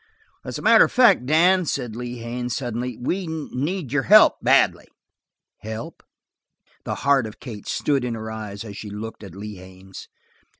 "As a matter of fact, Dan," said Lee Haines, suddenly, "we need your help badly." "Help?" The heart of Kate stood in her eyes as she looked at Lee Haines.